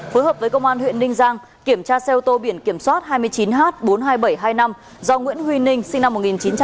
phối hợp với công an huyện ninh giang kiểm tra xe ô tô biển kiểm soát hai mươi chín h bốn mươi hai nghìn bảy trăm hai mươi năm do nguyễn huy ninh sinh năm một nghìn chín trăm tám mươi